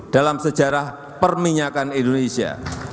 dalam sejarah perminyakan indonesia